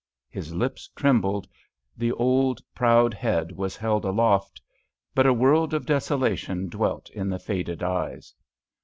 His lip trembled, the old, proud head was held aloft, but a world of desolation dwelt in the faded eyes.